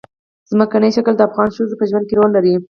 ځمکنی شکل د افغان ښځو په ژوند کې رول لري.